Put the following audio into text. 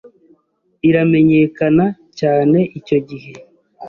iramenyekana cyane icyo gihe